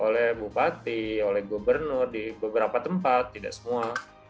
oleh bupati oleh gubernur di beberapa tempat tidak semua